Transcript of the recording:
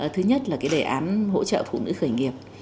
thứ nhất là cái đề án hỗ trợ phụ nữ khởi nghiệp